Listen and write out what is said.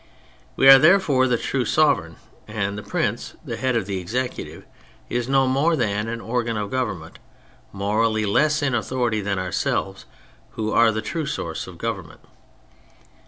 We are therefore the true sovereign; and the prince, the head of the Executive, is no more than an organ of government, morally less in authority than ourselves, who are the true source of government."